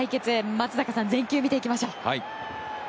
松坂さん、全球見ていきましょう。